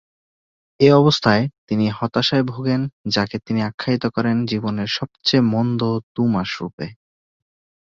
এ অবস্থায় তিনি হতাশায় ভোগেন যাকে তিনি আখ্যায়িত করেন জীবনের সবচেয়ে মন্দ দু’মাসরূপে।